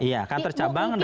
iya kantor cabang dan